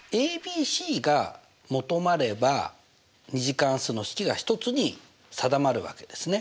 ｂｃが求まれば２次関数の式が１つに定まるわけですね。